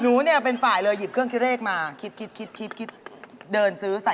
คุณเล็กซี่และคุณกุ๊บกี๊ทำไมนะคะ